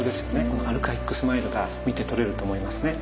このアルカイックスマイルが見て取れると思いますね。